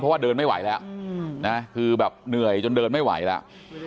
เพราะว่าเดินไม่ไหวแล้วนะคือแบบเหนื่อยจนเดินไม่ไหวแล้ว